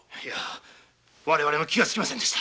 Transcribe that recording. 我々も気がつきませんでした。